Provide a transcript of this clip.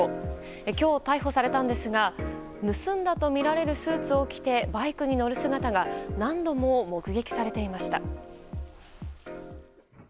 今日逮捕されたんですが盗んだとみられるスーツを着てバイクに乗る姿が何度も目撃されていました。